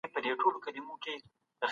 تاسي ولي د سرلوړي په قدر نه پوهېږئ؟